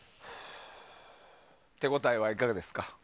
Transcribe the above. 手応えはいかがですか？